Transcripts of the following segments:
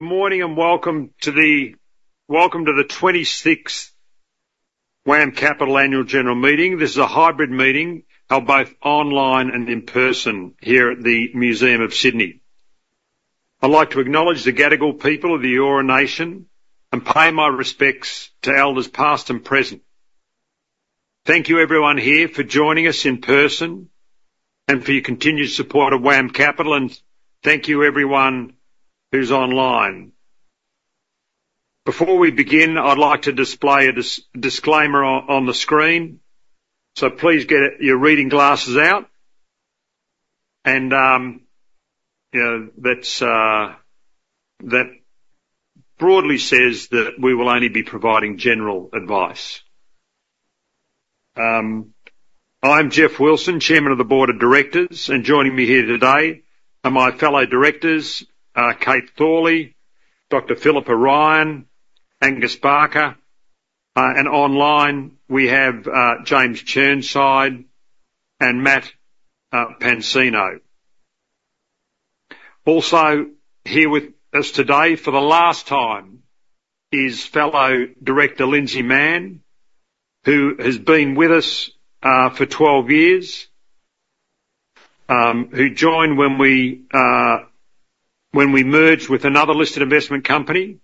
Good morning and welcome to the 26th WAM Capital Annual General Meeting. This is a hybrid meeting held both online and in person here at the Museum of Sydney. I'd like to acknowledge the Gadigal people of the Eora Nation and pay my respects to elders past and present. Thank you, everyone here, for joining us in person and for your continued support of WAM Capital, and thank you, everyone who's online. Before we begin, I'd like to display a disclaimer on the screen, so please get your reading glasses out. And that broadly says that we will only be providing general advice. I'm Geoff Wilson, Chairman of the Board of Directors, and joining me here today are my fellow directors, Kate Thorley, Dr. Philippa Ryan, Angus Barker. And online, we have James Chirnside and Matthew Pancino. Also here with us today for the last time is fellow director, Lindsay Mann, who has been with us for 12 years, who joined when we merged with another listed investment company,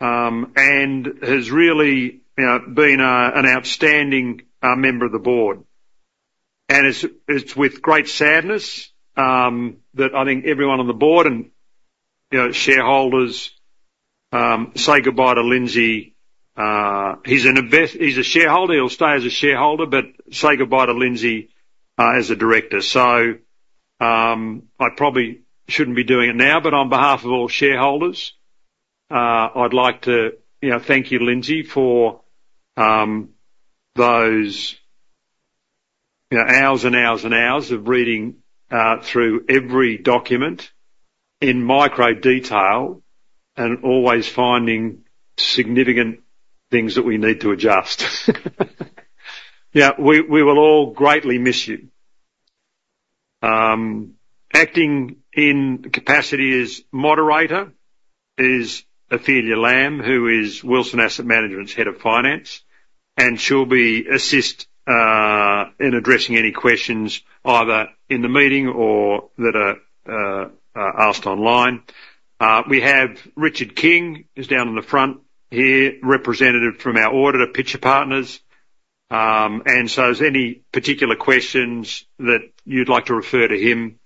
and has really been an outstanding member of the board, and it's with great sadness that I think everyone on the board and shareholders say goodbye to Lindsay. He's a shareholder. He'll stay as a shareholder, but say goodbye to Lindsay as a director, so I probably shouldn't be doing it now, but on behalf of all shareholders, I'd like to thank you, Lindsay, for those hours and hours and hours of reading through every document in micro detail and always finding significant things that we need to adjust. Yeah, we will all greatly miss you. Acting in capacity as moderator is Ophelia Lam, who is Wilson Asset Management's head of finance, and she'll assist in addressing any questions either in the meeting or that are asked online. We have Richard King down in the front here, representative from our auditor, Pitcher Partners, and so if there's any particular questions that you'd like to refer to him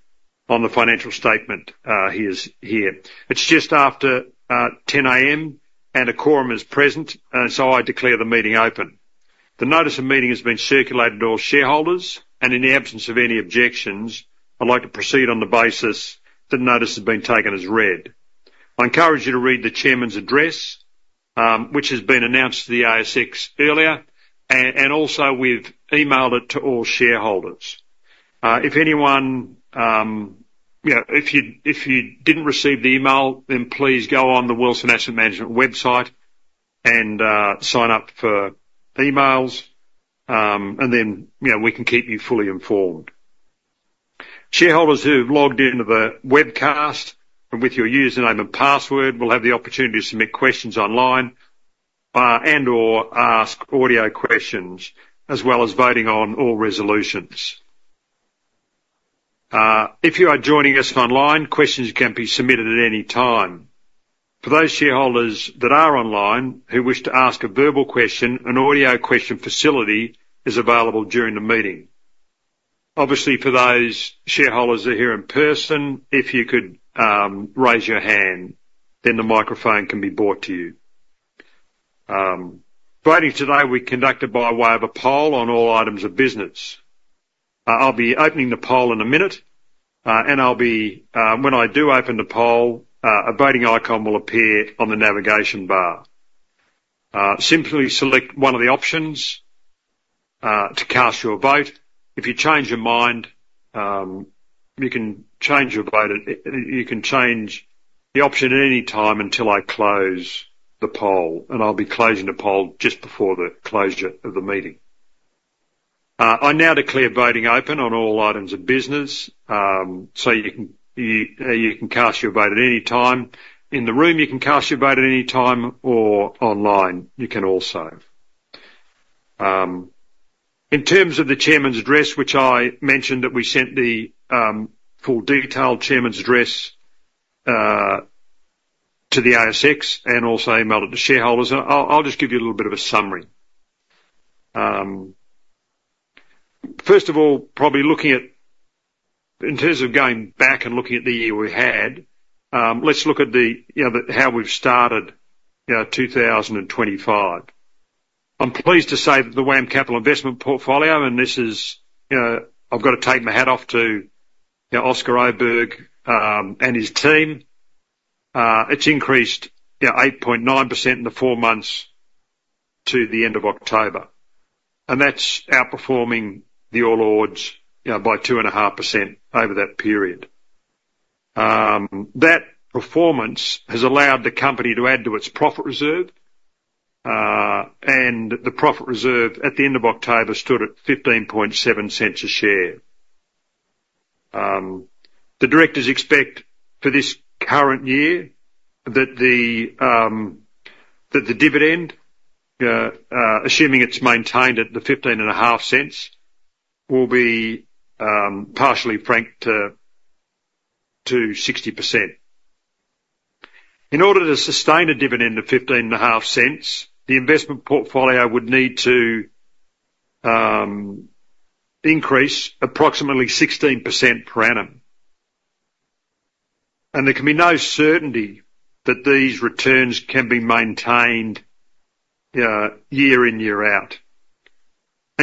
on the Financial Statements, he is here. It's just after 10:00 A.M., and the quorum is present, so I declare the meeting open. The notice of meeting has been circulated to all shareholders, and in the absence of any objections, I'd like to proceed on the basis that the notice has been taken as read. I encourage you to read the chairman's address, which has been announced to the ASX earlier, and also we've emailed it to all shareholders. If anyone, if you didn't receive the email, then please go on the Wilson Asset Management website and sign up for emails, and then we can keep you fully informed. Shareholders who've logged into the webcast with your username and password will have the opportunity to submit questions online and/or ask audio questions, as well as voting on all resolutions. If you are joining us online, questions can be submitted at any time. For those shareholders that are online who wish to ask a verbal question, an audio question facility is available during the meeting. Obviously, for those shareholders that are here in person, if you could raise your hand, then the microphone can be brought to you. Voting today will be conducted by way of a poll on all items of business. I'll be opening the poll in a minute, and when I do open the poll, a voting icon will appear on the navigation bar. Simply select one of the options to cast your vote. If you change your mind, you can change your vote. You can change the option at any time until I close the poll, and I'll be closing the poll just before the closure of the meeting. I now declare voting open on all items of business, so you can cast your vote at any time in the room. You can cast your vote at any time or online. You can also, in terms of the chairman's address, which I mentioned that we sent the full detailed chairman's address to the ASX and also emailed it to shareholders. I'll just give you a little bit of a summary. First of all, probably looking at, in terms of going back and looking at the year we had, let's look at how we've started 2025. I'm pleased to say that the WAM Capital Investment Portfolio, and this is, I've got to take my hat off to Oscar Oberg and his team. It's increased 8.9% in the four months to the end of October, and that's outperforming the All Ords by 2.5% over that period. That performance has allowed the company to add to its profit reserve, and the profit reserve at the end of October stood at 0.157 a share. The directors expect for this current year that the dividend, assuming it's maintained at the 0.155, will be partially franked to 60%. In order to sustain a dividend of 0.155, the investment portfolio would need to increase approximately 16% per annum. There can be no certainty that these returns can be maintained year in, year out.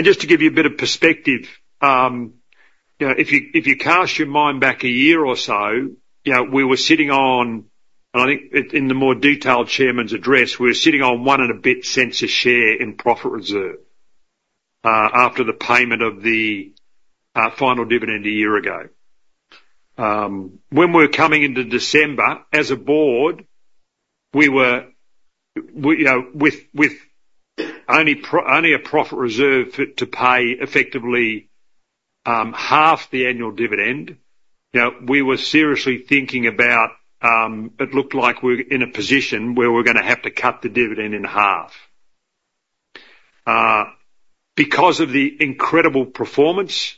Just to give you a bit of perspective, if you cast your mind back a year or so, we were sitting on, and I think in the more detailed chairman's address, we were sitting on one and a bit cents a share in profit reserve after the payment of the final dividend a year ago. When we were coming into December, as a board, we were with only a profit reserve to pay effectively half the annual dividend. We were seriously thinking about it. It looked like we were in a position where we were going to have to cut the dividend in half. Because of the incredible performance,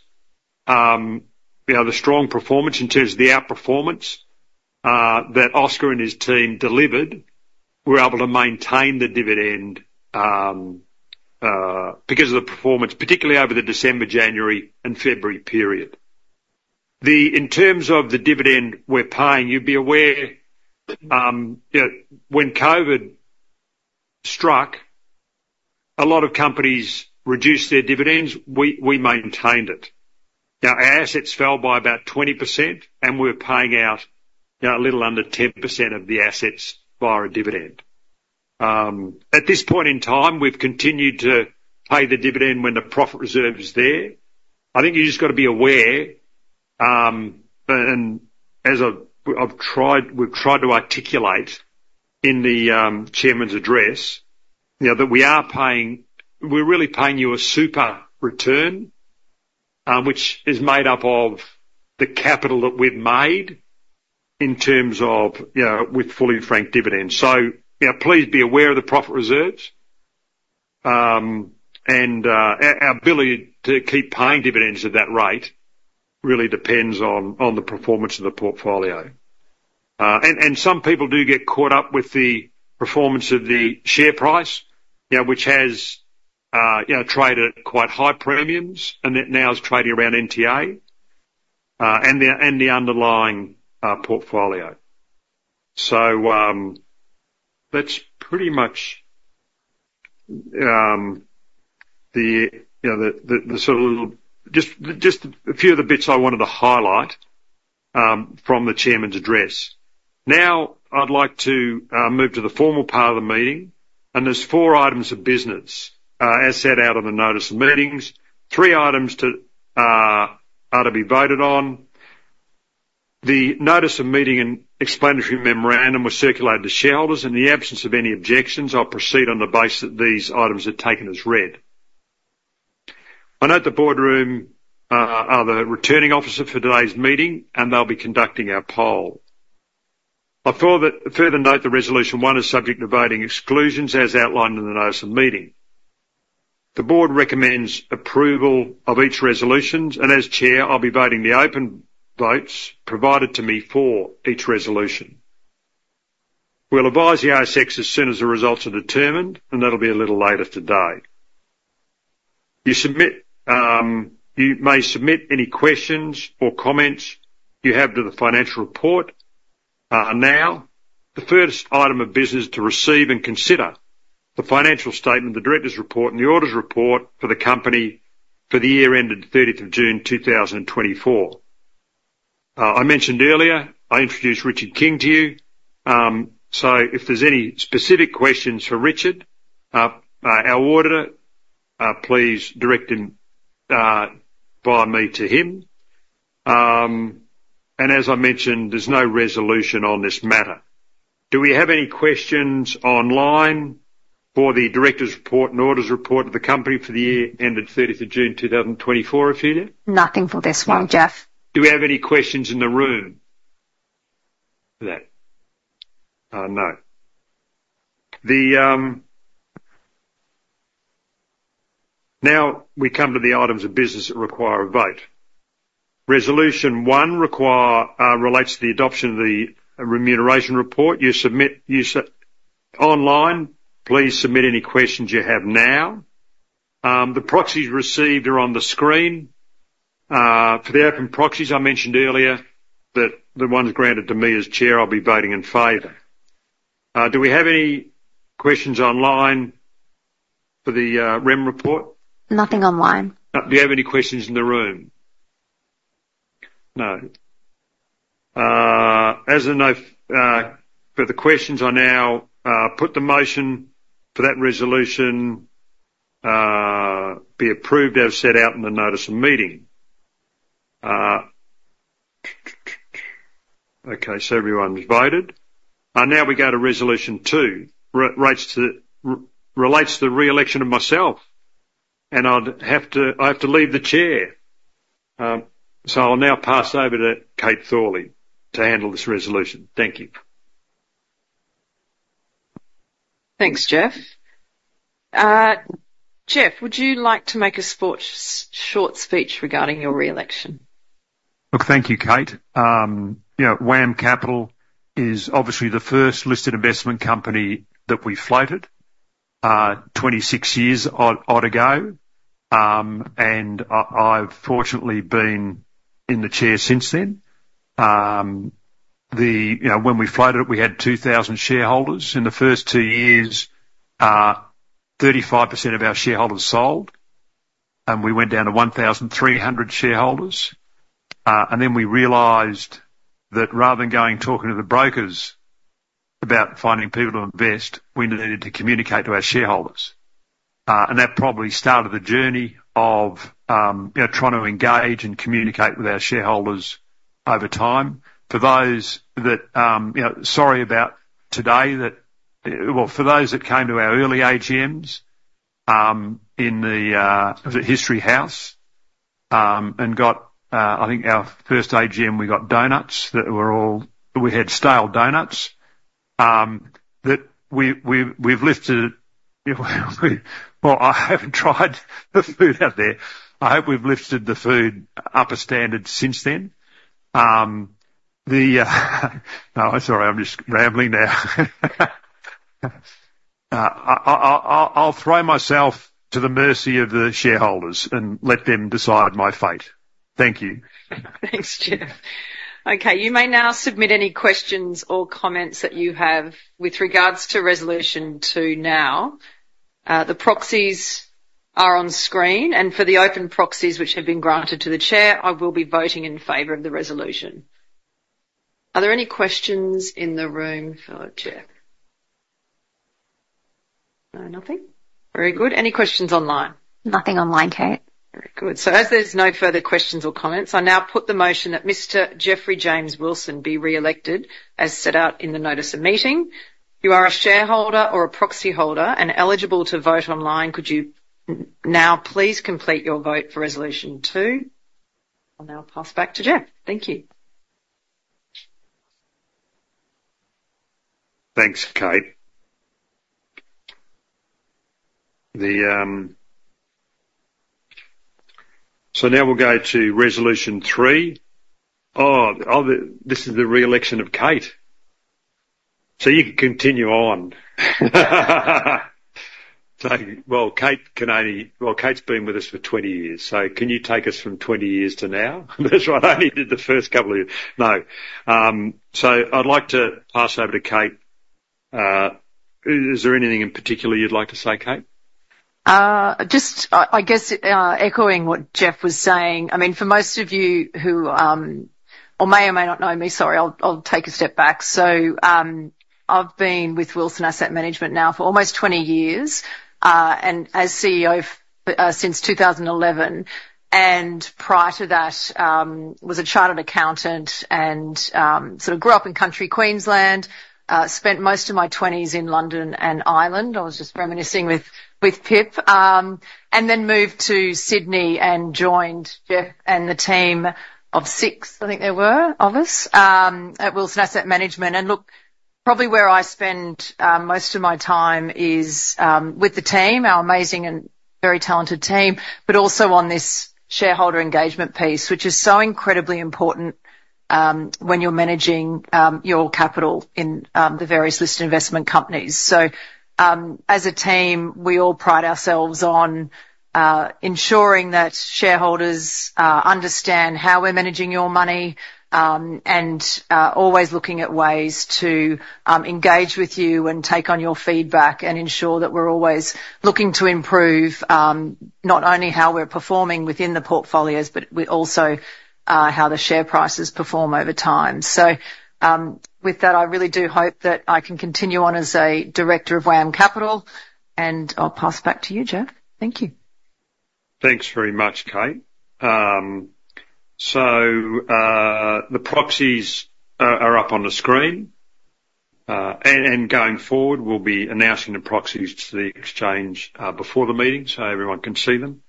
the strong performance in terms of the outperformance that Oscar and his team delivered, we were able to maintain the dividend because of the performance, particularly over the December, January, and February period. In terms of the dividend we're paying, you'd be aware when COVID struck, a lot of companies reduced their dividends. We maintained it. Our assets fell by about 20%, and we were paying out a little under 10% of the assets via a dividend. At this point in time, we've continued to pay the dividend when the profit reserve is there. I think you just got to be aware, and as I've tried to articulate in the chairman's address, that we are paying, we're really paying you a super return, which is made up of the capital that we've made in terms of with fully franked dividends. So please be aware of the profit reserves, and our ability to keep paying dividends at that rate really depends on the performance of the portfolio, and some people do get caught up with the performance of the share price, which has traded at quite high premiums, and it now is trading around NTA and the underlying portfolio, so that's pretty much the sort of just a few of the bits I wanted to highlight from the chairman's address. Now, I'd like to move to the formal part of the meeting, and there's four items of business as set out on the notice of meeting. Three items are to be voted on. The notice of meeting and explanatory memorandum were circulated to shareholders. In the absence of any objections, I'll proceed on the basis that these items are taken as read, I note that Boardroom are the returning officer for today's meeting, and they'll be conducting our poll. I further note the resolution one is subject to voting exclusions as outlined in the notice of meeting. The board recommends approval of each resolution, and as chair, I'll be voting the open votes provided to me for each resolution. We'll advise the ASX as soon as the results are determined, and that'll be a little later today. You may submit any questions or comments you have to the financial report now. The first item of business to receive and consider: the Financial statement, the Directors' Report, the Auditors Report for the company, for the year 2024. As I mentioned, there's no resolution on this matter. Do we have any questions online for the director's report and auditor's report of the company for the year ended 30th of June 2024, Ophelia? Nothing for this one, Geoff. Do we have any questions in the room for that? No. Now, we come to the items of business that require a vote. Resolution one relates to the adoption of the remuneration report. You submit online. Please submit any questions you have now. The proxies received are on the screen. For the open proxies, I mentioned earlier that the one granted to me as chair, I'll be voting in favor. Do we have any questions online for the remuneration report? Nothing online. Do you have any questions in the room? No. As a note for the questions, I now put the motion for that resolution be approved as set out in the notice of meeting. Okay, so everyone's voted. Now we go to resolution two, relates to the re-election of myself, and I have to leave the chair. So I'll now pass over to Kate Thorley to handle this resolution. Thank you. Thanks, Geoff. Geoff, would you like to make a short speech regarding your re-election? Look, thank you, Kate. WAM Capital is obviously the first listed investment company that we floated 26 years ago, and I've fortunately been in the chair since then. When we floated it, we had 2,000 shareholders. In the first two years, 35% of our shareholders sold, and we went down to 1,300 shareholders. And then we realized that rather than going talking to the brokers about finding people to invest, we needed to communicate to our shareholders. And that probably started the journey of trying to engage and communicate with our shareholders over time. For those that—sorry about today—well, for those that came to our early AGMs in the History House and got, I think, our first AGM, we got donuts that were all—we had stale donuts that we've lifted. Well, I haven't tried the food out there. I hope we've lifted the food up a standard since then. No, sorry, I'm just rambling now. I'll throw myself to the mercy of the shareholders and let them decide my fate. Thank you. Thanks, Geoff. Okay, you may now submit any questions or comments that you have with regards to resolution two now. The proxies are on screen, and for the open proxies which have been granted to the chair, I will be voting in favor of the resolution. Are there any questions in the room for Geoff? No, nothing? Very good. Any questions online? Nothing online, Kate. Very good. So as there's no further questions or comments, I now put the motion that Mr. Geoffrey Wilson be re-elected as set out in the notice of meeting. You are a shareholder or a proxy holder and eligible to vote online. Could you now please complete your vote for resolution two? I'll now pass back to Geoff. Thank you. Thanks, Kate. So now we'll go to resolution three. Oh, this is the re-election of Kate. So you can continue on. Well, Kate can only, well, Kate's been with us for 20 years, so can you take us from 20 years to now? That's right. I only did the first couple of years. No. So I'd like to pass over to Kate. Is there anything in particular you'd like to say, Kate? Just, I guess, echoing what Geoff was saying. I mean, for most of you who may or may not know me, sorry, I'll take a step back. So I've been with Wilson Asset Management now for almost 20 years and as CEO since 2011, and prior to that, I was a chartered accountant and sort of grew up in country Queensland, spent most of my 20s in London and Ireland. I was just reminiscing with Pip, and then moved to Sydney and joined Geoff and the team of six, I think there were six of us at Wilson Asset Management. And look, probably where I spend most of my time is with the team, our amazing and very talented team, but also on this shareholder engagement piece, which is so incredibly important when you're managing your capital in the various listed investment companies. So as a team, we all pride ourselves on ensuring that shareholders understand how we're managing your money and always looking at ways to engage with you and take on your feedback and ensure that we're always looking to improve not only how we're performing within the portfolios, but also how the share prices perform over time. So with that, I really do hope that I can continue on as a director of WAM Capital, and I'll pass back to you, Geoff. Thank you. Thanks very much, Kate. So the proxies are up on the screen, and going forward, we'll be announcing the proxies to the exchange before the meeting so everyone can see them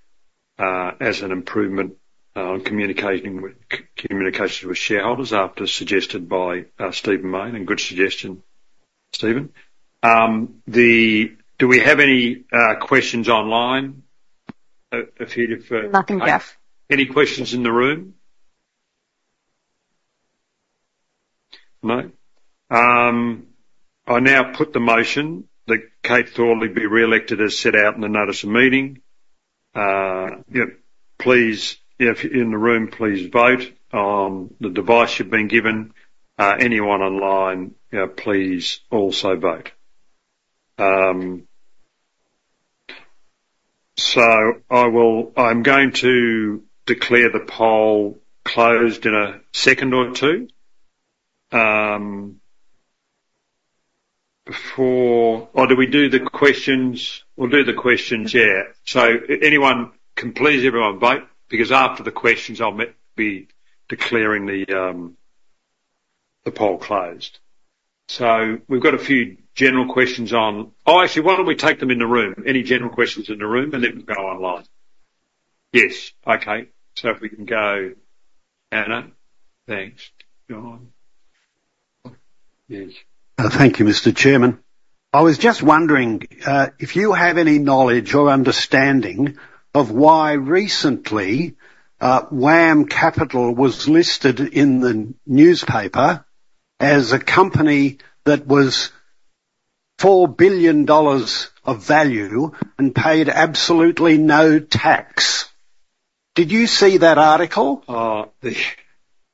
as an improvement on communications with shareholders as suggested by Stephen Mayne. And good suggestion, Stephen. Do we have any questions online? A few different. Nothing, Geoff. Any questions in the room? No? I now put the motion that Kate Thorley be re-elected as set out in the notice of meeting. Please, if you're in the room, please vote on the device you've been given. Anyone online, please also vote. So I'm going to declare the poll closed in a second or two. Or do we do the questions? We'll do the questions, yeah. So please, everyone vote, because after the questions, I'll be declaring the poll closed. So we've got a few general questions on. Oh, actually, why don't we take them in the room? Any general questions in the room, and then we'll go online. Yes. Okay. So if we can go. Anna, thanks. Thank you, Mr. Chairman. I was just wondering if you have any knowledge or understanding of why recently WAM Capital was listed in the newspaper as a company that was 4 billion dollars of value and paid absolutely no tax? Did you see that article? I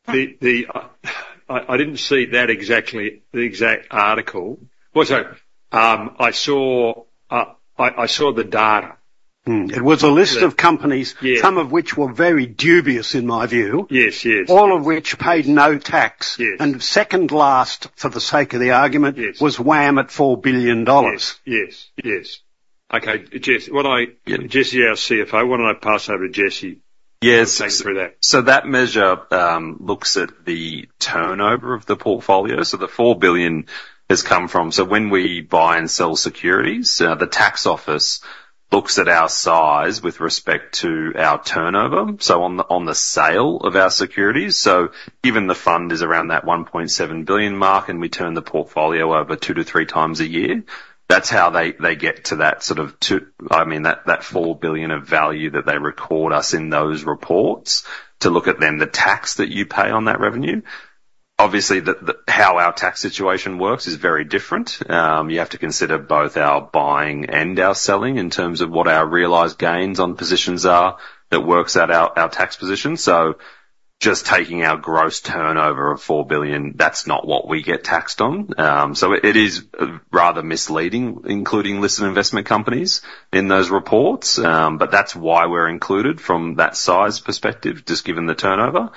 didn't see that exact article. I saw the data. It was a list of companies, some of which were very dubious, in my view, all of which paid no tax, and second last, for the sake of the argument, was WAM at 4 billion dollars. Yes. Yes. Yes. Okay. Jesse, our CFO, why don't I pass over to Jesse and take through that? Yes. So that measure looks at the turnover of the portfolio. So the 4 billion has come from, so when we buy and sell securities, the tax office looks at our size with respect to our turnover. So on the sale of our securities, so given the fund is around that 1.7 billion mark and we turn the portfolio over two to three times a year, that's how they get to that sort of, I mean, that 4 billion of value that they record us in those reports to look at then the tax that you pay on that revenue. Obviously, how our tax situation works is very different. You have to consider both our buying and our selling in terms of what our realized gains on positions are that works out our tax position. So just taking our gross turnover of 4 billion, that's not what we get taxed on. It is rather misleading, including listed investment companies in those reports, but that's why we're included from that size perspective, just given the turnover.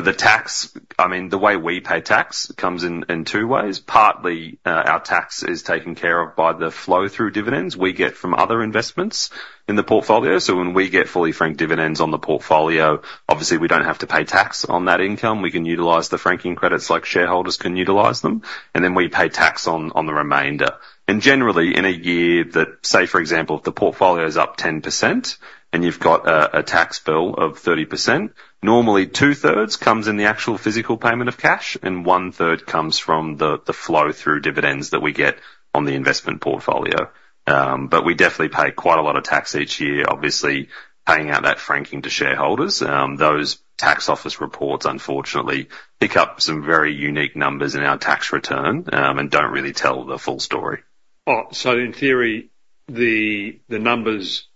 The tax—I mean, the way we pay tax comes in two ways. Partly, our tax is taken care of by the flow-through dividends we get from other investments in the portfolio. When we get fully-franked dividends on the portfolio, obviously, we don't have to pay tax on that income. We can utilize the franking credits like shareholders can utilize them, and then we pay tax on the remainder. Generally, in a year that, say, for example, if the portfolio is up 10% and you've got a tax bill of 30%, normally two-thirds comes in the actual physical payment of cash, and one-third comes from the flow-through dividends that we get on the investment portfolio. But we definitely pay quite a lot of tax each year, obviously, paying out that franking to shareholders. Those tax office reports, unfortunately, pick up some very unique numbers in our tax return and don't really tell the full story. Oh, so in theory, the numbers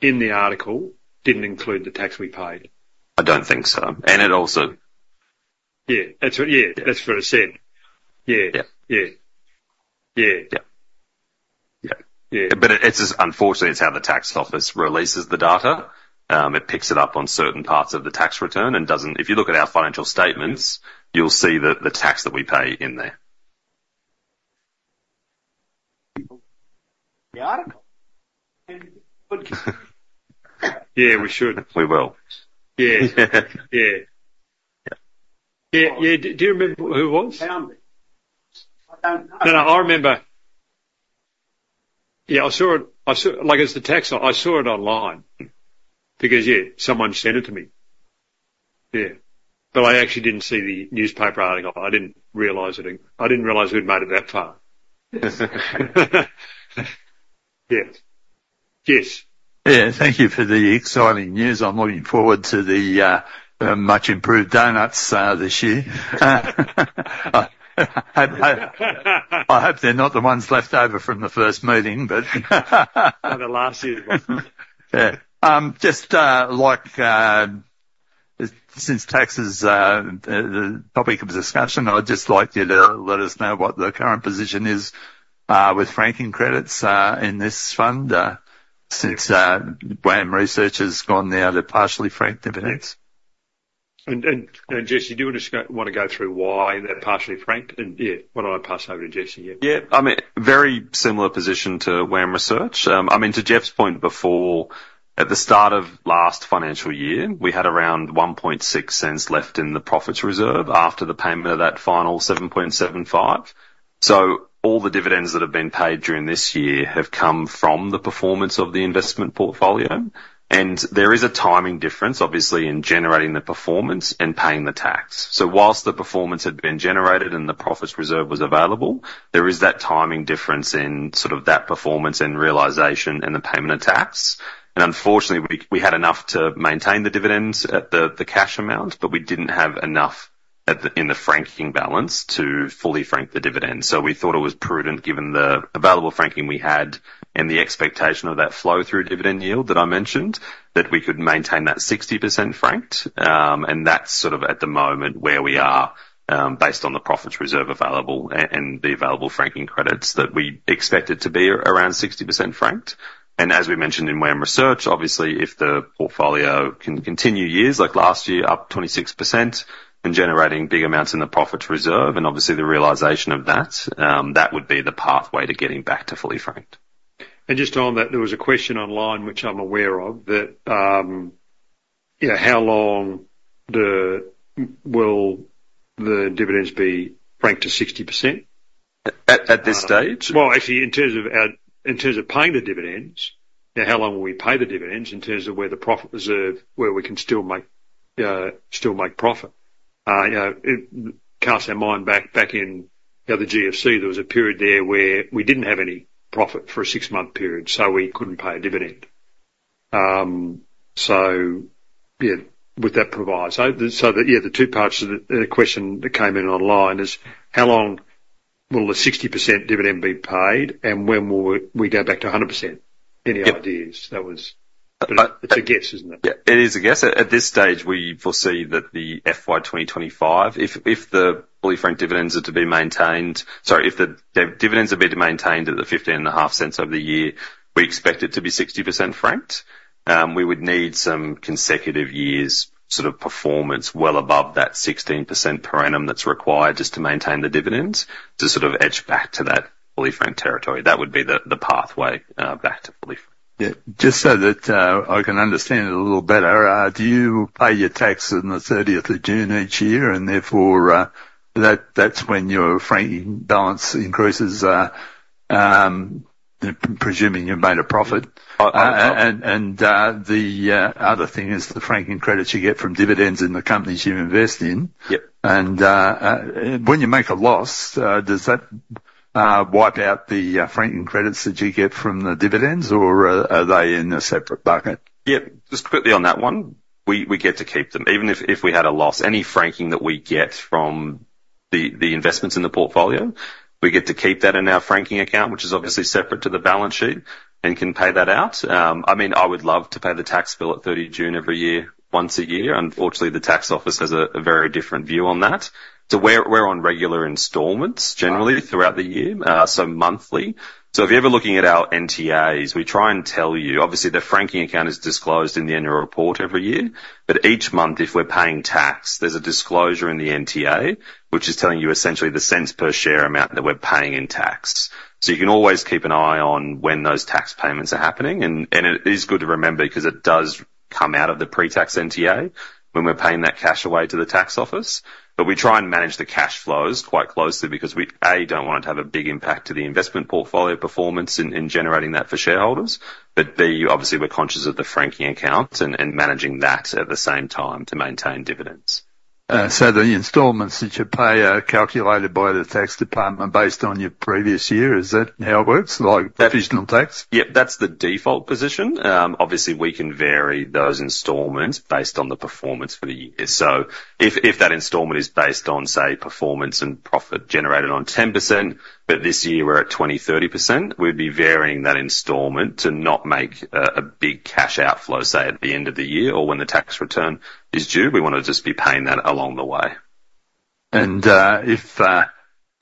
in the article didn't include the tax we paid? I don't think so and it also. Yeah. That's what it said. Yeah. Yeah. Yeah. But unfortunately, it's how the tax office releases the data. It picks it up on certain parts of the tax return and doesn't, if you look at our financial statements, you'll see the tax that we pay in there. Yeah, we should. We will. Yeah. Yeah. Yeah. Do you remember who it was? No, no. I remember. Yeah. I saw it online because, yeah, someone sent it to me. Yeah. But I actually didn't see the newspaper article. I didn't realize it. I didn't realize we'd made it that far. Yeah. Yes. Yeah. Thank you for the exciting news. I'm looking forward to the much-improved donuts this year. I hope they're not the ones left over from the first meeting, but. The last year's one. Yeah. Just like since tax is the topic of discussion, I'd just like you to let us know what the current position is with franking credits in this fund since WAM Research has gone now to partially-franked dividends? Jesse, do you want to go through why they're partially-franked? Yeah, why don't I pass over to Jesse? Yeah. I mean, very similar position to WAM Research. I mean, to Geoff's point before, at the start of last financial year, we had around 0.016 left in the profits reserve after the payment of that final 0.0775. So all the dividends that have been paid during this year have come from the performance of the investment portfolio. And there is a timing difference, obviously, in generating the performance and paying the tax. So whilst the performance had been generated and the profits reserve was available, there is that timing difference in sort of that performance and realization and the payment of tax. And unfortunately, we had enough to maintain the dividends at the cash amount, but we didn't have enough in the franking balance to fully frank the dividends. So we thought it was prudent, given the available franking we had and the expectation of that flow-through dividend yield that I mentioned, that we could maintain that 60% franked. And that's sort of at the moment where we are based on the profits reserve available and the available franking credits that we expected to be around 60% franked. And as we mentioned in WAM Research, obviously, if the portfolio can continue years like last year, up 26% and generating big amounts in the profits reserve and obviously the realization of that, that would be the pathway to getting back to fully-franked. And just on that, there was a question online, which I'm aware of, that how long will the dividends be franked to 60%? At this stage? Well, actually, in terms of paying the dividends, how long will we pay the dividends in terms of where the profit reserve, where we can still make profit? Cast our mind back in the GFC, there was a period there where we didn't have any profit for a six-month period, so we couldn't pay a dividend. So yeah, with that provided. So yeah, the two parts of the question that came in online is, how long will the 60% dividend be paid, and when will we go back to 100%? Any ideas? That was a guess, isn't it? Yeah. It is a guess. At this stage, we foresee that the FY 2025, if the fully-franked dividends are to be maintained, sorry, if the dividends are being maintained at 0.155 over the year, we expect it to be 60% franked. We would need some consecutive years' sort of performance well above that 16% per annum that's required just to maintain the dividends to sort of edge back to that fully-franked territory. That would be the pathway back to fully-franked. Yeah. Just so that I can understand it a little better, do you pay your tax on the 30th of June each year, and therefore that's when your franking balance increases, presuming you've made a profit? And the other thing is the franking credits you get from dividends in the companies you invest in. And when you make a loss, does that wipe out the franking credits that you get from the dividends, or are they in a separate bucket? Yeah. Just quickly on that one, we get to keep them. Even if we had a loss, any franking that we get from the investments in the portfolio, we get to keep that in our franking account, which is obviously separate to the balance sheet, and can pay that out. I mean, I would love to pay the tax bill at 30 June every year, once a year. Unfortunately, the tax office has a very different view on that. So we're on regular installments generally throughout the year, so monthly. So if you're ever looking at our NTAs, we try and tell you, obviously, the franking account is disclosed in the annual report every year, but each month, if we're paying tax, there's a disclosure in the NTA, which is telling you essentially the cents per share amount that we're paying in tax. So you can always keep an eye on when those tax payments are happening. And it is good to remember because it does come out of the pre-tax NTA when we're paying that cash away to the tax office. But we try and manage the cash flows quite closely because we, A, don't want it to have a big impact to the investment portfolio performance in generating that for shareholders. But B, obviously, we're conscious of the franking account and managing that at the same time to maintain dividends. So the installments that you pay are calculated by the tax department based on your previous year. Is that how it works? Like provisional tax? Yeah. That's the default position? Obviously, we can vary those installments based on the performance for the year. So if that installment is based on, say, performance and profit generated on 10%, but this year we're at 20%-30%, we'd be varying that installment to not make a big cash outflow, say, at the end of the year or when the tax return is due. We want to just be paying that along the way.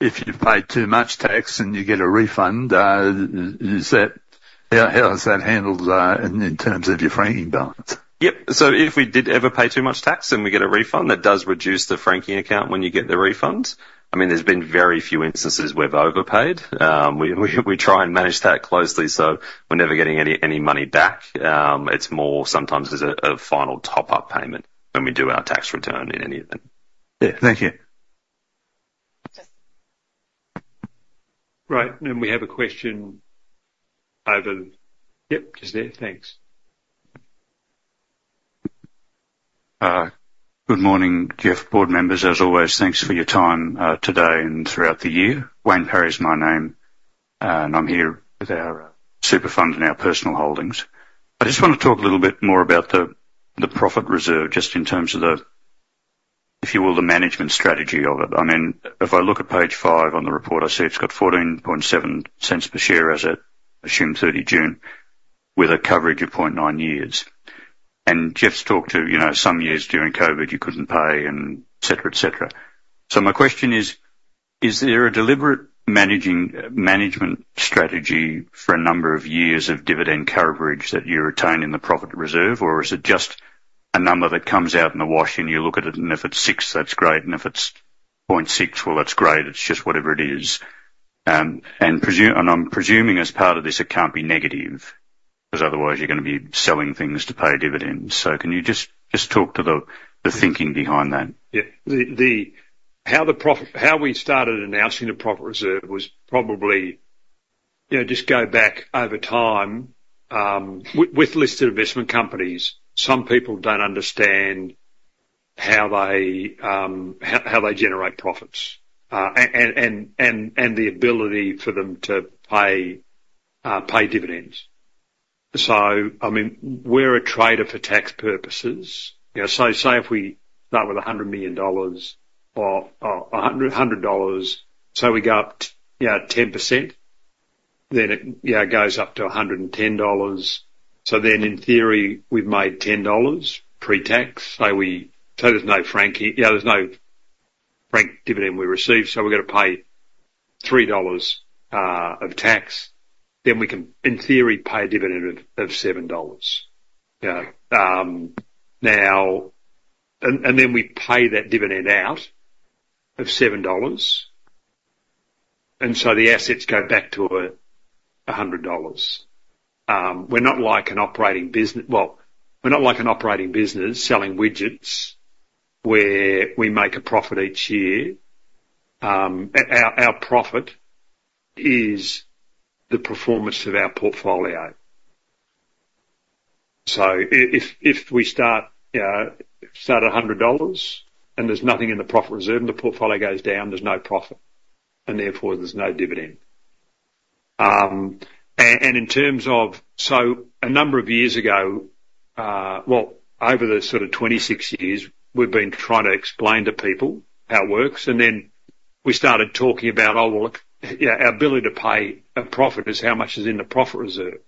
If you've paid too much tax and you get a refund, how is that handled in terms of your franking balance? Yep. So if we did ever pay too much tax and we get a refund, that does reduce the franking account when you get the refund. I mean, there's been very few instances we've overpaid. We try and manage that closely so we're never getting any money back. It's more sometimes as a final top-up payment when we do our tax return in any event. Yeah. Thank you. Right. And we have a question over. Yep. Just there. Thanks. Good morning, Jeff, board members. As always, thanks for your time today and throughout the year. Wayne Perry is my name, and I'm here with our super fund and our personal holdings. I just want to talk a little bit more about the profit reserve just in terms of the, if you will, the management strategy of it. I mean, if I look at page five on the report, I see it's got 0.147 per share as I assume 30 June, with a coverage of 0.9 years, and Jeff's talked to some years during COVID you couldn't pay and etc., etc. So my question is, is there a deliberate management strategy for a number of years of dividend coverage that you retain in the profit reserve, or is it just a number that comes out in the wash and you look at it, and if it's six, that's great, and if it's 0.6, well, that's great. It's just whatever it is. And I'm presuming as part of this, it can't be negative because otherwise you're going to be selling things to pay dividends. So can you just talk to the thinking behind that? Yeah. How we started announcing the profit reserve was probably just go back over time with listed investment companies. Some people don't understand how they generate profits and the ability for them to pay dividends. So I mean, we're a trader for tax purposes. So say if we start with $100 million or $100, so we go up 10%, then it goes up to $110. So then in theory, we've made $10 pre-tax. So there's no franking. Yeah, there's no franked dividend we receive, so we're going to pay $3 of tax. Then we can, in theory, pay a dividend of $7. Now, and then we pay that dividend out of $7, and so the assets go back to $100. We're not like an operating business. Well, we're not like an operating business selling widgets where we make a profit each year. Our profit is the performance of our portfolio. So if we start at $100 and there's nothing in the profit reserve and the portfolio goes down, there's no profit, and therefore there's no dividend. And in terms of, so a number of years ago, well, over the sort of 26 years, we've been trying to explain to people how it works. And then we started talking about, "Oh, well, our ability to pay a profit is how much is in the profit reserve."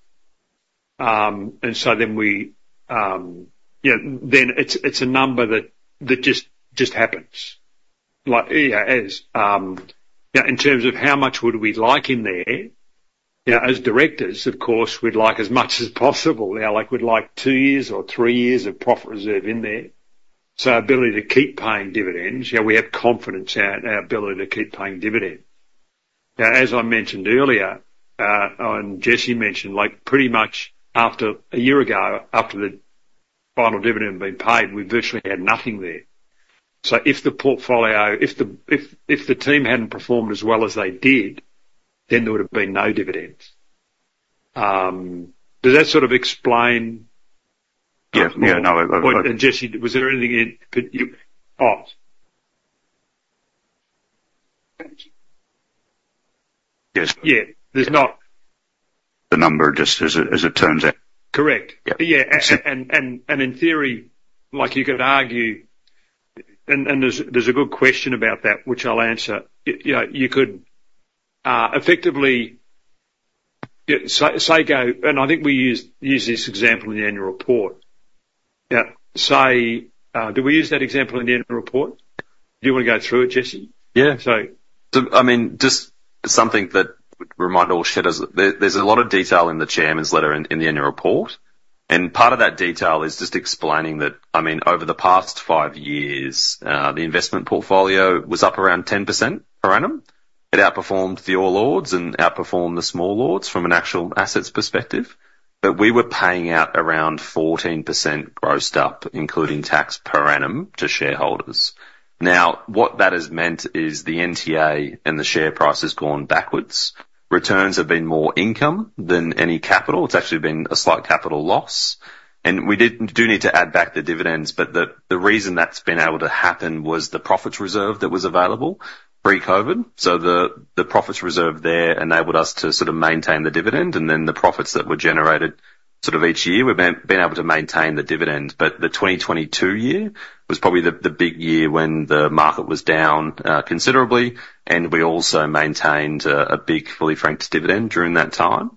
And so then we, yeah, then it's a number that just happens. Yeah. In terms of how much would we like in there, as directors, of course, we'd like as much as possible. We'd like two years or three years of profit reserve in there. So our ability to keep paying dividends, yeah, we have confidence in our ability to keep paying dividends. Now, as I mentioned earlier, and Jesse mentioned, pretty much after a year ago, after the final dividend had been paid, we virtually had nothing there. So if the portfolio, if the team hadn't performed as well as they did, then there would have been no dividends. Does that sort of explain? Yeah. Yeah. No. Jesse, was there anything in? Oh. Yes. Yeah. There's not. The number just as it turns out. Correct. Yeah, in theory, you could argue, and there's a good question about that, which I'll answer. You could effectively say, and I think we use this example in the annual report. Yeah. Do we use that example in the annual report? Do you want to go through it, Jesse? Yeah. I mean, just something that would remind all shedders, there's a lot of detail in the Chairman's letter in the Annual Report. And part of that detail is just explaining that, I mean, over the past five years, the investment portfolio was up around 10% per annum. It outperformed the All Ords and outperformed the Small Ords from an actual assets perspective. But we were paying out around 14% grossed up, including tax per annum to shareholders. Now, what that has meant is the NTA and the share price has gone backwards. Returns have been more income than any capital. It's actually been a slight capital loss. And we do need to add back the dividends, but the reason that's been able to happen was the Profit Reserve that was available pre-COVID. So the profits reserve there enabled us to sort of maintain the dividend, and then the profits that were generated sort of each year, we've been able to maintain the dividend. But the 2022 year was probably the big year when the market was down considerably, and we also maintained a big fully-franked dividend during that time.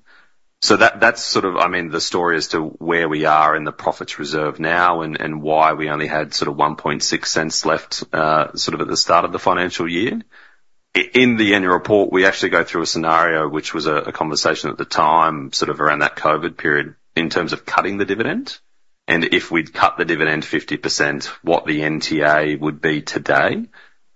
So that's sort of, I mean, the story as to where we are in the profits reserve now and why we only had sort of 0.016 left sort of at the start of the financial year. In the annual report, we actually go through a scenario, which was a conversation at the time sort of around that COVID period, in terms of cutting the dividend. And if we'd cut the dividend 50%, what the NTA would be today,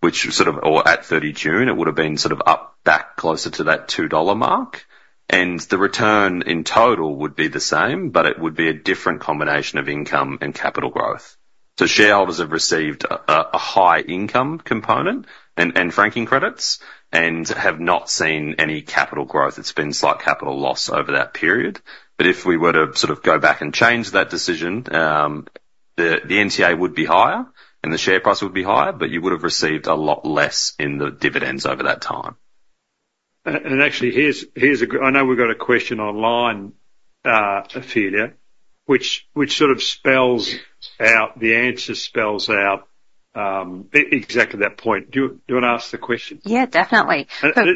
which sort of or at 30 June, it would have been sort of up back closer to that $2 mark. And the return in total would be the same, but it would be a different combination of income and capital growth. So shareholders have received a high income component and franking credits and have not seen any capital growth. It's been slight capital loss over that period. But if we were to sort of go back and change that decision, the NTA would be higher and the share price would be higher, but you would have received a lot less in the dividends over that time. And actually, I know we've got a question online, Ophelia, which sort of spells out the answer, spells out exactly that point. Do you want to ask the question? Yeah. Definitely.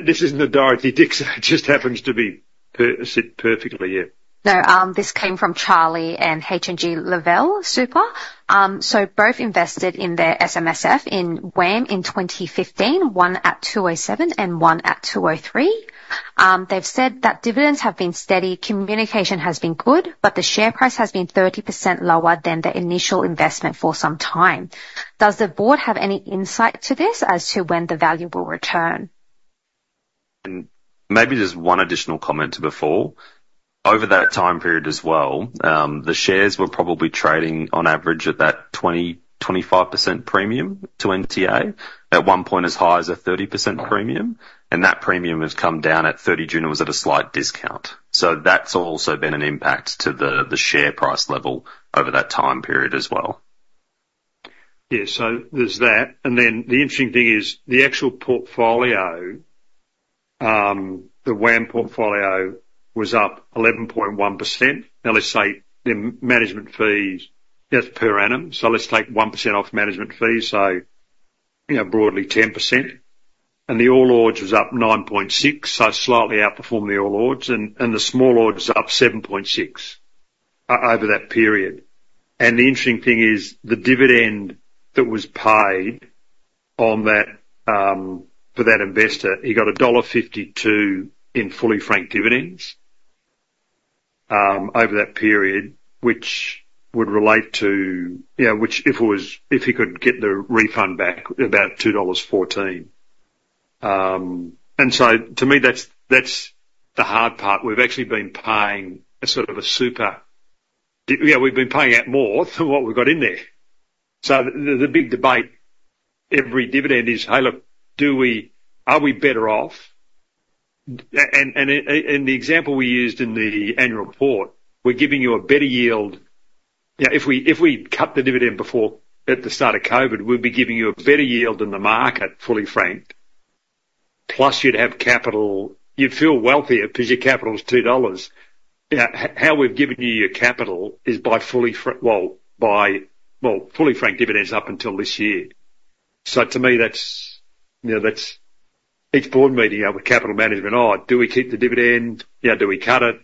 This isn't the Dorothy Dix. It just happens to be perfectly here. No. This came from Charlie and H&G Lavelle, Super. So both invested in their SMSF in WAM in 2015, one at 207 and one at 203. They've said that dividends have been steady, communication has been good, but the share price has been 30% lower than the initial investment for some time. Does the board have any insight to this as to when the value will return? Maybe just one additional comment to before. Over that time period as well, the shares were probably trading on average at that 20%-25% premium to NTA, at one point as high as a 30% premium. And that premium has come down at 30 June and was at a slight discount. So that's also been an impact to the share price level over that time period as well. Yeah. So there's that. And then the interesting thing is the actual portfolio, the WAM portfolio was up 11.1%. Now, let's say the management fee is per annum. So let's take 1% off management fee, so broadly 10%. And the All-Ords was up 9.6%, so slightly outperformed the All-Ords. And the Small-Ords was up 7.6% over that period. And the interesting thing is the dividend that was paid for that investor, he got dollar 1.52 in fully franked dividends over that period, which would relate to, yeah, which if he could get the refund back, about 2.14 dollars. And so to me, that's the hard part. We've actually been paying a sort of a super, yeah, we've been paying out more than what we've got in there. So the big debate every dividend is, "Hey, look, are we better off?" And the example we used in the annual report, we're giving you a better yield. Yeah. If we cut the dividend before at the start of COVID, we'd be giving you a better yield than the market, fully-franked. Plus, you'd have capital. You'd feel wealthier because your capital is 2 dollars. Yeah. How we've given you your capital is by fully, well, by fully-franked dividends up until this year. So to me, that's each board meeting with capital management, "Oh, do we keep the dividend? Yeah. Do we cut it?"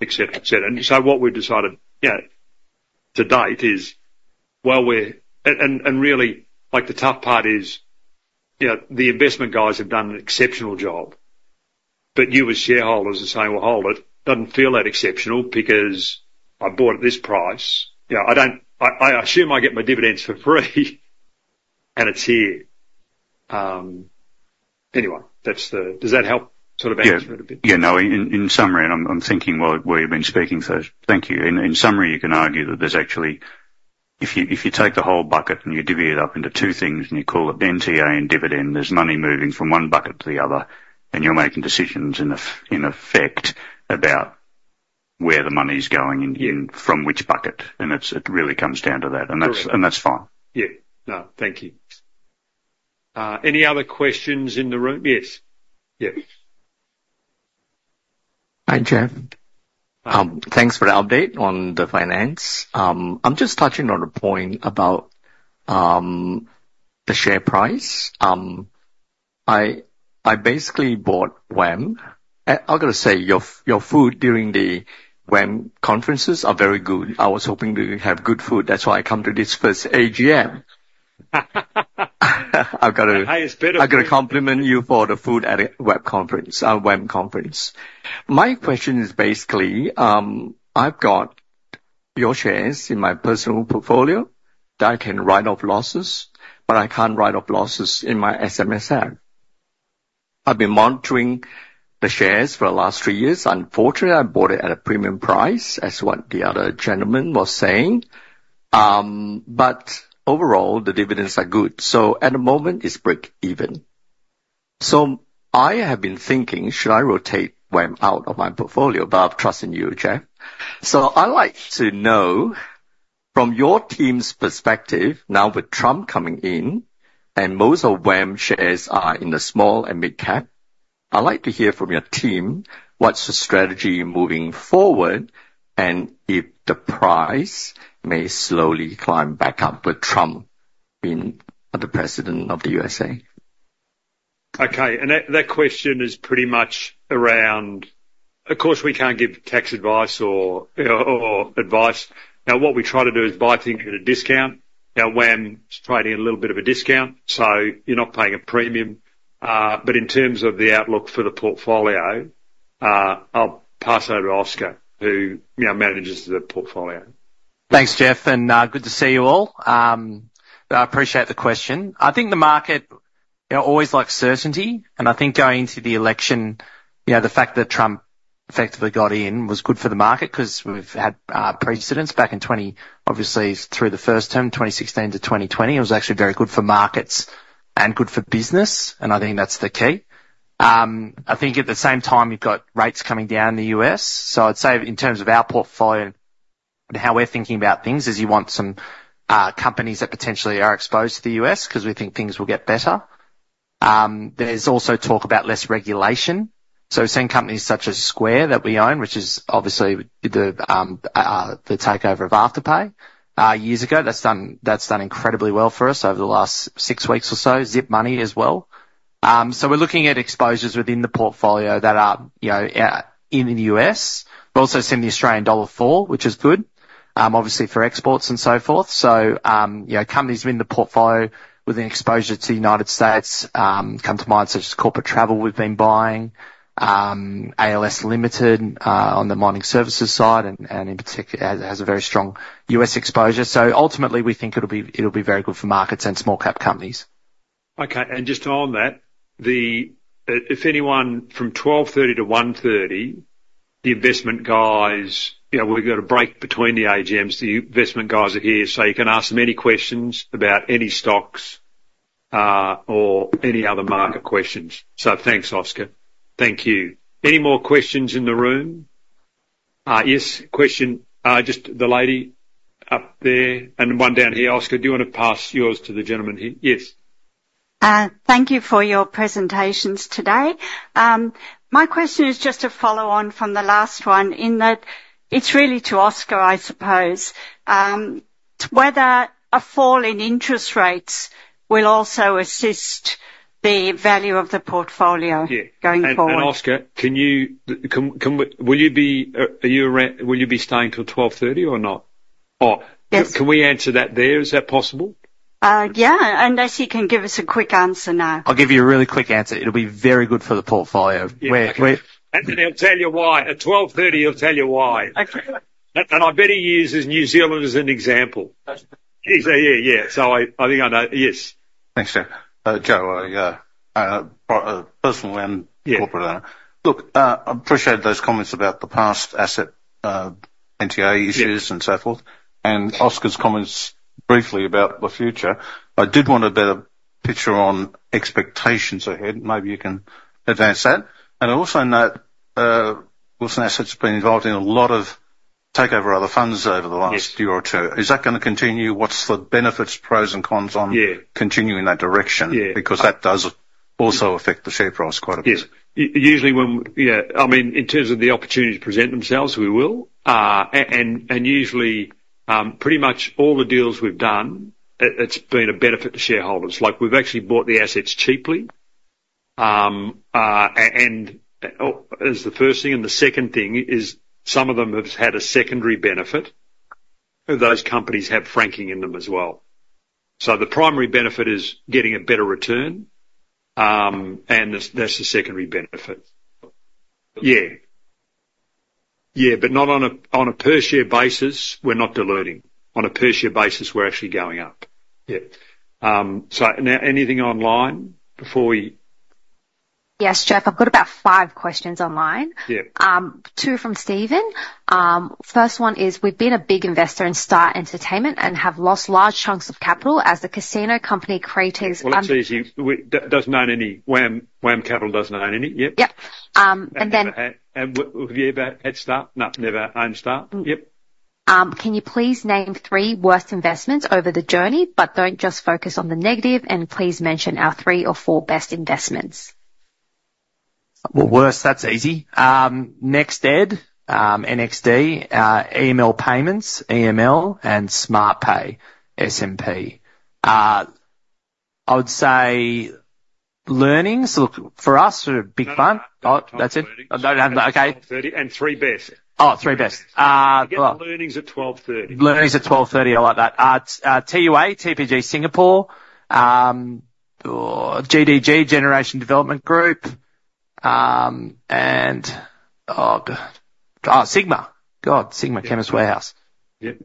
etc., etc. And so what we've decided to date is, well, we're, and really, the tough part is the investment guys have done an exceptional job. But you as shareholders are saying, "Well, hold it. Doesn't feel that exceptional because I bought at this price. I assume I get my dividends for free, and it's here." Anyway, does that help sort of answer it a bit? Yeah. In summary, and I'm thinking while you've been speaking, so thank you. In summary, you can argue that there's actually - if you take the whole bucket and you divvy it up into two things and you call it NTA and dividend, there's money moving from one bucket to the other, and you're making decisions in effect about where the money's going and from which bucket. And it really comes down to that. And that's fine. Yeah. No. Thank you. Any other questions in the room? Yes. Yes. Hi, Jeff. Thanks for the update on the finance. I'm just touching on a point about the share price. I basically bought WAM. I've got to say, your food during the WAM conferences are very good. I was hoping to have good food. That's why I come to this first AGM. I've got to... The highest better food. I've got to compliment you for the food at a WAM conference. My question is basically, I've got your shares in my personal portfolio that I can write off losses, but I can't write off losses in my SMSF. I've been monitoring the shares for the last three years. Unfortunately, I bought it at a premium price, as what the other gentleman was saying. But overall, the dividends are good. So at the moment, it's break-even. So I have been thinking, should I rotate WAM out of my portfolio? But I've trusted you, Geoff. So I like to know from your team's perspective, now with Trump coming in and most of WAM shares are in the small and mid-cap, I'd like to hear from your team what's the strategy moving forward and if the price may slowly climb back up with Trump being the president of the USA. Okay. And that question is pretty much around, of course, we can't give tax advice or advice. Now, what we try to do is buy things at a discount. Now, WAM is trading a little bit of a discount, so you're not paying a premium. But in terms of the outlook for the portfolio, I'll pass over to Oscar, who manages the portfolio. Thanks, Geoff. And good to see you all. I appreciate the question. I think the market always likes certainty. And I think going into the election, the fact that Trump effectively got in was good for the market because we've had precedents back in 2020, obviously, through the first term, 2016 to 2020. It was actually very good for markets and good for business. And I think that's the key. I think at the same time, you've got rates coming down in the U.S. So I'd say in terms of our portfolio and how we're thinking about things, is you want some companies that potentially are exposed to the U.S. because we think things will get better. There's also talk about less regulation. So some companies such as Square that we own, which is obviously the takeover of Afterpay years ago, that's done incredibly well for us over the last six weeks or so. ZipMoney as well. So we're looking at exposures within the portfolio that are in the U.S., but also seeing the Australian dollar fall, which is good, obviously, for exports and so forth. So companies within the portfolio with an exposure to the United States come to mind, such as Corporate Travel we've been buying, ALS Limited on the mining services side, and has a very strong U.S. exposure. So ultimately, we think it'll be very good for markets and small-cap companies. Okay. And just on that, if anyone from 12:30 P.M. to 1:30 P.M., the investment guys, we've got a break between the AGMs. The investment guys are here, so you can ask them any questions about any stocks or any other market questions. So thanks, Oscar. Thank you. Any more questions in the room? Yes. Question. Just the lady up there and one down here. Oscar, do you want to pass yours to the gentleman here? Yes. Thank you for your presentations today. My question is just to follow on from the last one in that it's really to Oscar, I suppose, whether a fall in interest rates will also assist the value of the portfolio going forward? And Oscar, will you be, are you staying till 12:30 P.M. or not? Or can we answer that there? Is that possible? Yeah. Unless you can give us a quick answer now. I'll give you a really quick answer. It'll be very good for the portfolio. Anthony, I'll tell you why. At 12:30, he'll tell you why. And I bet he uses New Zealand as an example. He's here. Yeah. So I think I know. Yes. Thanks, Geoff. Joe, I'm a personal and corporate owner. Look, I appreciate those comments about the past asset NTA issues and so forth. And Oscar's comments briefly about the future. I did want a better picture on expectations ahead. Maybe you can advance that. And I also note Wilson Assets has been involved in a lot of takeover other funds over the last year or two. Is that going to continue? What's the benefits, pros, and cons on continuing that direction? Because that does also affect the share price quite a bit. Yes. Usually, yeah. I mean, in terms of the opportunity to present themselves, we will. And usually, pretty much all the deals we've done, it's been a benefit to shareholders. We've actually bought the assets cheaply. And as the first thing, and the second thing is some of them have had a secondary benefit. Those companies have franking in them as well. So the primary benefit is getting a better return, and that's the secondary benefit. Yeah. Yeah. But not on a per-share basis. We're not diluting. On a per-share basis, we're actually going up. Yeah. So now, anything online before we? Yes, Jeff. I've got about five questions online. Two from Stephen. First one is, we've been a big investor in Star Entertainment and have lost large chunks of capital as the casino company created. That's not any. WAM Capital doesn't own any. Yep. Yep. And then. Have you ever had Star? No, never. Owned Star? Yep. Can you please name three worst investments over the journey, but don't just focus on the negative, and please mention our three or four best investments? Worst, that's easy. NextEd, NXD, EML Payments, EML, and SmartPay, SMP. I would say learnings. Look, for us, sort of big fund. That's it. 12:30. Okay. And three best. Oh, three best. Yeah. Lunch at 12:30 P.M. Learnings at 12:30. I like that. TUA, TPG Singapore, GDG, Generation Development Group, and Sigma. God, Sigma Chemist Warehouse. Yep.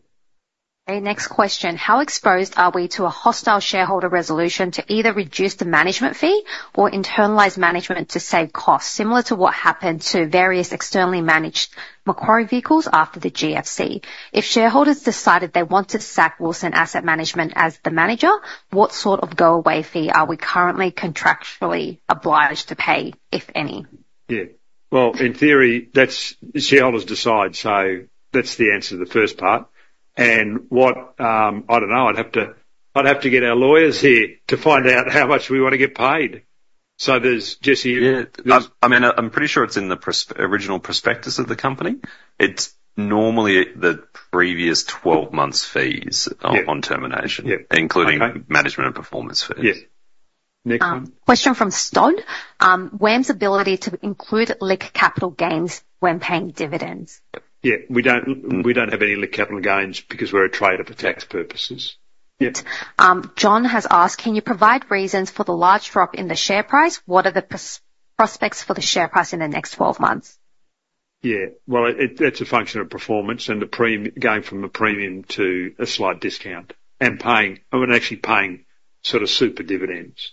A next question. How exposed are we to a hostile shareholder resolution to either reduce the management fee or internalize management to save costs, similar to what happened to various externally managed Macquarie vehicles after the GFC? If shareholders decided they want to sack Wilson Asset Management as the manager, what sort of go away fee are we currently contractually obliged to pay, if any? Yeah. Well, in theory, shareholders decide. So that's the answer to the first part. And I don't know. I'd have to get our lawyers here to find out how much we want to get paid. So there's Jesse. Yeah. I mean, I'm pretty sure it's in the original prospectus of the company. It's normally the previous 12 months' fees on termination, including management and performance fees. Yeah. Next one. Question from Stod. WAM's ability to include liquid capital gains when paying dividends. Yeah. We don't have any liquid capital gains because we're a trader for tax purposes. Yep. John has asked, can you provide reasons for the large drop in the share price? What are the prospects for the share price in the next 12 months? Yeah. Well, it's a function of performance and going from a premium to a slight discount and actually paying sort of super dividends.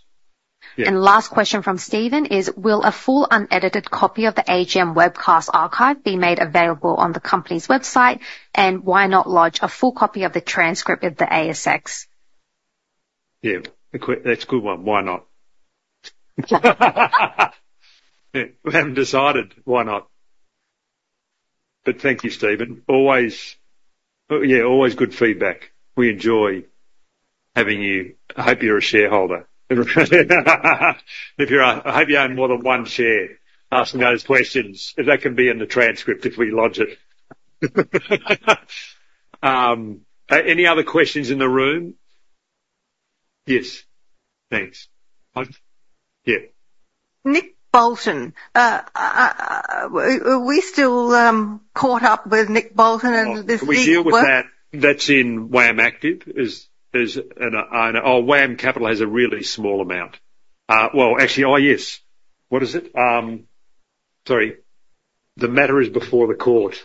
And last question from Stephen is, will a full unedited copy of the AGM webcast archive be made available on the company's website? And why not lodge a full copy of the transcript at the ASX? Yeah. That's a good one. Why not? We haven't decided. Why not? But thank you, Stephen. Yeah, always good feedback. We enjoy having you. I hope you're a shareholder. I hope you own more than one share asking those questions. If that can be in the transcript if we lodge it. Any other questions in the room? Yes. Thanks. Yeah. Nick Bolton. Are we still caught up with Nick Bolton and this deal? We're dealing with that. That's in WAM Active as an or WAM Capital has a really small amount. Well, actually, yes. What is it? Sorry. The matter is before the court.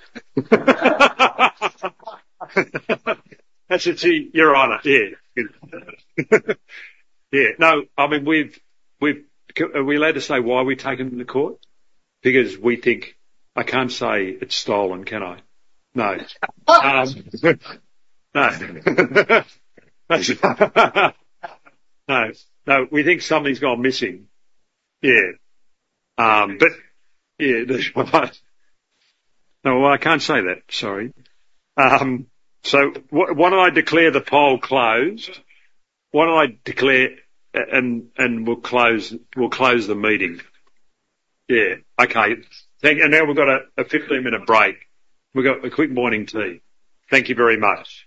That's it, Your Honor. Yeah. Yeah. No. I mean, are we allowed to say why we're taking to court? Because we think I can't say it's stolen, can I? No. No. No. No. We think something's gone missing. Yeah. But yeah. No, I can't say that. Sorry. So why don't I declare the poll closed? Why don't I declare and we'll close the meeting? Yeah. Okay. And now we've got a 15-minute break. We've got a quick morning tea. Thank you very much.